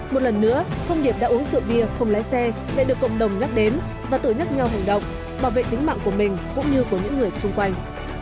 một lần nữa thông điệp đã uống rượu bia không lái xe lại được cộng đồng nhắc đến và tự nhắc nhau hành động bảo vệ tính mạng của mình cũng như của những người xung quanh